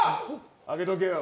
開けとけよ。